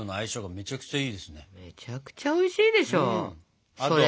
めちゃくちゃおいしいでしょそれは。